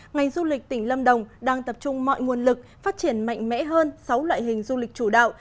ngành du lịch tỉnh lâm đồng đang tập trung mọi nguồn lực phát triển mạnh mẽ hơn sáu loại hình du lịch chủ đạo